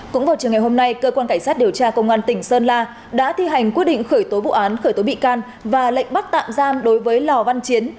cũng vào trường ngày hôm nay cơ quan cảnh sát điều tra công an tỉnh sơn la đã thi hành quyết định khởi tố vụ án khởi tố bị can và lệnh bắt tạm giam đối với lò văn chiến